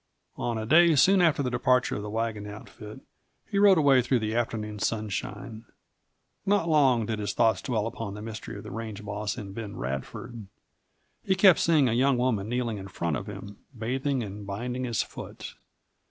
On a day soon after the departure of the wagon outfit he rode away through the afternoon sunshine. Not long did his thoughts dwell upon the mystery of the range boss and Ben Radford. He kept seeing a young woman kneeling in front of him, bathing and binding his foot.